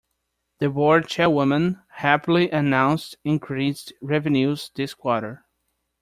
The board chairwoman happily announced increased revenues this quarter.